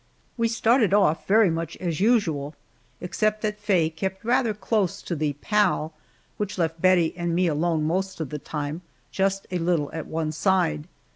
We started off very much as usual, except that Faye kept rather close to the "pal," which left Bettie and me alone most of the time, just a little at one side.